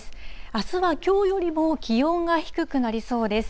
あすはきょうよりも気温が低くなりそうです。